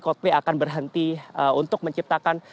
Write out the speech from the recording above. coldplay akan berhenti untuk menciptakan